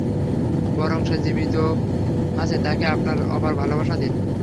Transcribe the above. বরং, যে জীবিত আছে তাকে আপনার অপার ভালোবাসা দিন!